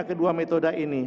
kedua metode ini